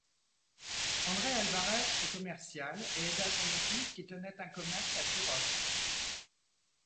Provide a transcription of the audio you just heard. André Alvarez fut commercial et aida son épouse qui tenait un commerce à Tyrosse.